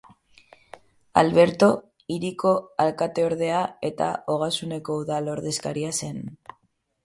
Alberto, hiriko alkateordea eta Ogasuneko udal-ordezkaria zen.